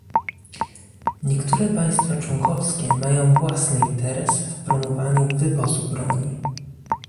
Niektóre państwa członkowskie mają własny interes w promowaniu wywozu broni